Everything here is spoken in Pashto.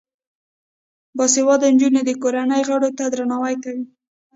باسواده نجونې د کورنۍ غړو ته درناوی کوي.